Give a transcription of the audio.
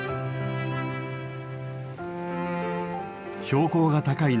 標高が高い